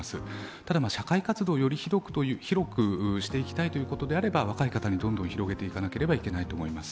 ただ、社会活動をより広くしていきたいということであれば若い方にどんどん広げていかなければいけないと思います。